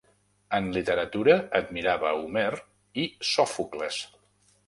En literatura admirava Homer i Sòfocles.